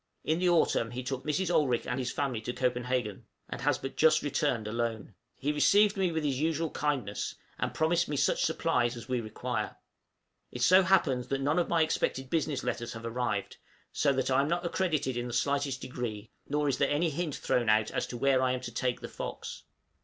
In the autumn he took Mrs. Olrik and his family to Copenhagen, and has but just returned alone. He received me with his usual kindness, and promised me such supplies as we require. It so happens that none of my expected business letters have arrived, so that I am not accredited in the slightest degree, nor is there any hint thrown out as to where I am to take the 'Fox.'